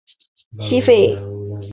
西魏废。